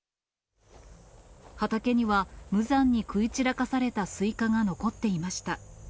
畑には無残に食い散らかされたスイカが残っていました。